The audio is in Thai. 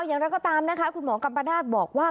อย่างนั้นก็ตามนะคะคุณหมอกัมประดาษบอกว่า